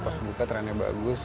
pas buka trennya bagus